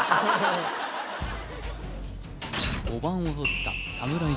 ５番を取ったサムライ